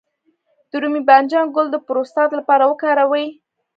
د رومي بانجان ګل د پروستات لپاره وکاروئ